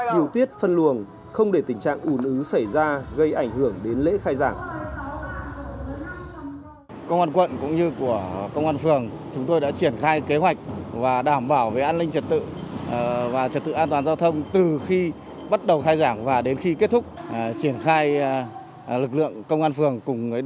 điều tiết phân luồng không để tình trạng ủn ứ xảy ra gây ảnh hưởng đến lễ khai giảng